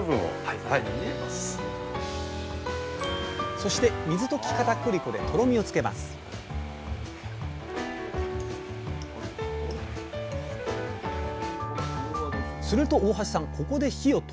そして水溶きかたくり粉でとろみをつけますすると大橋さん